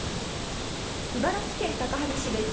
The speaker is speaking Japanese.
茨城県高萩市です。